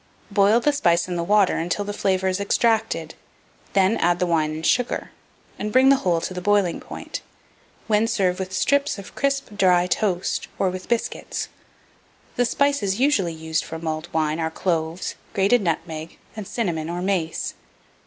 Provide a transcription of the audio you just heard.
Boil the spice in the water until the flavour is extracted, then add the wine and sugar, and bring the whole to the boiling point, when serve with strips of crisp dry toast, or with biscuits. The spices usually used for mulled wine are cloves, grated nutmeg, and cinnamon or mace.